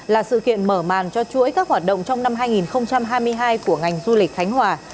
là sự kiện mở màn cho chuỗi các hoạt động trong năm hai nghìn hai mươi hai của ngành du lịch khánh hòa